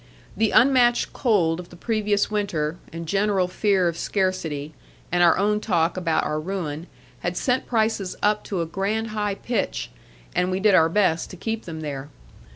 The unmatched cold of the previous winter, and general fear of scarcity, and our own talk about our ruin, had sent prices up to a grand high pitch; and we did our best to keep them there.